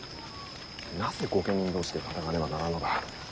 なぜ御家人同士で戦わねばならぬのだ。